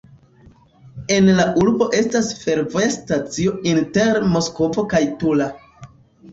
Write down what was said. En la urbo estas fervoja stacio inter Moskvo kaj Tula.